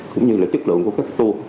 cũng như là chất lượng của các cái tour